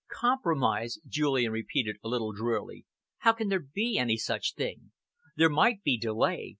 "Compromise!" Julian repeated a little drearily. "How can there be any such thing! There might be delay.